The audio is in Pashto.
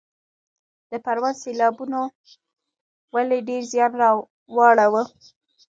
د پروان سیلابونو ولې ډیر زیان واړوه؟